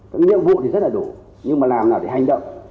cái nhiệm vụ thì rất là đủ nhưng mà làm nào để hành động